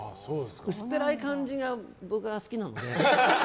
薄っぺらい感じが僕は好きなので。